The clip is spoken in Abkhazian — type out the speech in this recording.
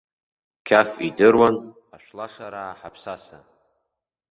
Қьаф идыруан ашәлашараа ҳаԥсаса.